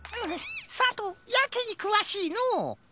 さとうやけにくわしいのう。